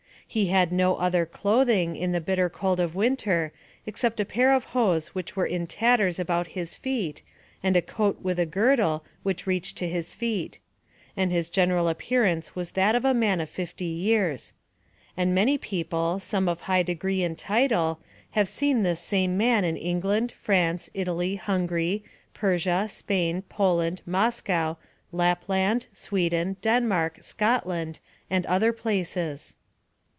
He had no other clothing, in the bitter cold of the winter, except a pair of hose which were in tatters about his feet, and a coat with a girdle which reached to his feet; and his general appearance was that of a man of fifty years. And many people, some of high degree and title, have seen this same man in England, France, Italy, Hungary, Persia, Spain, Poland, Moscow, Lapland, Sweden, Denmark, Scotland, and other places.